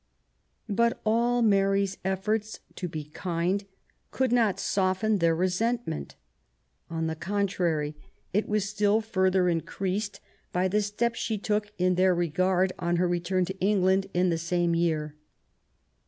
... But all Mary's efforts to be kind could not soften thfir resentment. On the contrary, it was still further BETEOSFEGTIVE. 165 increased by the step she took in their regard on her return to England in the same year.